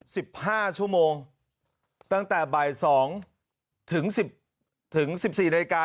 สิบห้าชั่วโมงตั้งแต่บ่ายสองถึงสิบถึงสิบสี่นาฬิกา